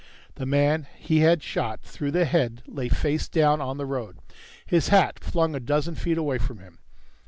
The man he had shot through the head lay face down on the road, his hat flung a dozen feet away from him.